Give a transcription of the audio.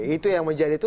itu yang menjadi itu